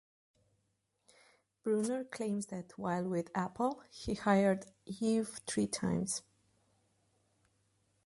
Brunner claims that while with Apple, he hired Ive three times.